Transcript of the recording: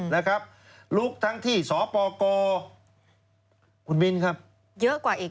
นะครับลุกทั้งที่สปกคุณบินครับเยอะกว่าอีก